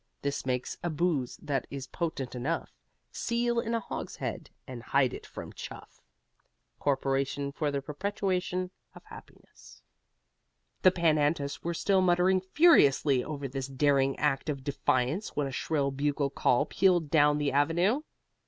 This makes a booze that is potent enough Seal in a hogshead and hide it from Chuff! Corporation for the Perpetuation of Happiness. The Pan Antis were still muttering furiously over this daring act of defiance when a shrill bugle call pealed down the avenue.